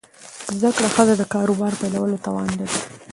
زده کړه ښځه د کاروبار پیلولو توان لري.